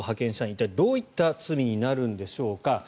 一体、どういった罪になるんでしょうか。